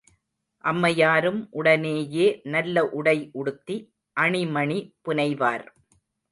அம்மையாரும் உடனேயே நல்ல உடை உடுத்தி, அணிமணி புனைவார்.